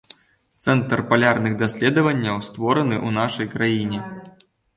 Цэнтр палярных даследаванняў створаны ў нашай краіне.